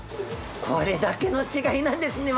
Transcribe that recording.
これだけの違いなんですね